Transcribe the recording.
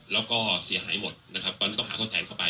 แล้วก็เสียหายหมดนะครับต้องหาส่วนแทนเข้าไป